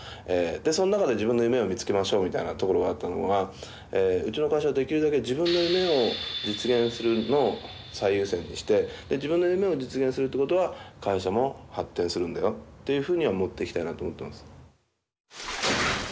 でその中で自分の夢を見つけましょうみたいなところがあったのがうちの会社はできるだけ自分の夢を実現するのを最優先にして自分の夢を実現するってことは会社も発展するんだよっていうふうには持っていきたいなと思ってます。